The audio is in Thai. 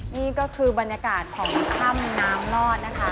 นี่ก็คือบรรยากาศของถ้ำน้ำลอดนะคะ